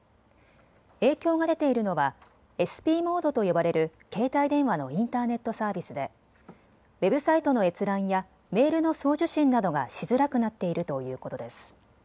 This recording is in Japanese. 影響が出ているのはｓｐモードと呼ばれる携帯電話のインターネットサービスでウェブサイトの閲覧やメールの送受信などがしづらくなっているということです。